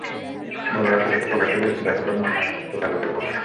বড়রা সেটাতে প্রকাশ্যে বিরক্তি দেখালেও মনে মনে নিশ্চয় তাঁদেরও লোভ হয়।